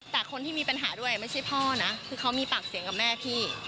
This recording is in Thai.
แต่คนที่มีปัญหาด้วยไม่ใช่พ่อนะคือเขามีปากเสียงกับแม่พี่